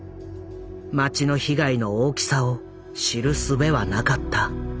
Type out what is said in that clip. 町の被害の大きさを知るすべはなかった。